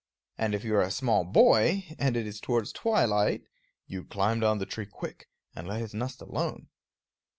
And if you are a small boy, and it is towards twilight, you climb down the tree quick and let his nest alone.